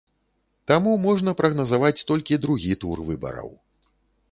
Таму можна прагназаваць толькі другі тур выбараў.